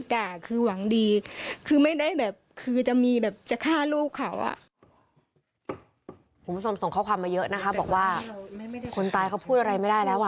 ด่าคือหวังดีคือไม่ได้แบบคือจะมีแบบจะฆ่าลูกเขาอ่ะผมส่งข้อความมาเยอะนะคะบอกว่าคนตายเขาพูดอะไรไม่ได้แล้วอ่ะ